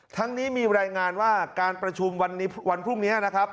ทั้งนี้มีรายงานว่าการประชุมวันพรุ่งนี้นะครับ